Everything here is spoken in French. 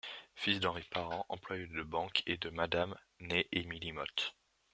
Fils d'Henri Parent, Employé de banque, et de Mme, née Emilie Motte.